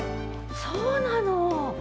そうなの。